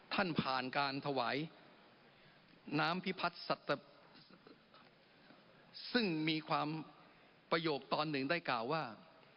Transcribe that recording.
ผ่านการถวายน้ำพิพัฒน์ซึ่งมีความประโยคตอนหนึ่งได้กล่าวว่า